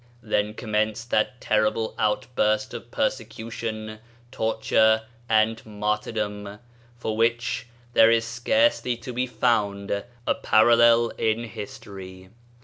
Then commenced that terrible outburst of persecution, torture, and martyrdom, for which there is scarcely to be found a parallel in history.